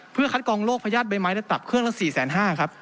เพื่อคัดกรองโรคพญาติใบไม้ในตับเครื่องละ๔๕๐๐๐๐กว่าบาทครับ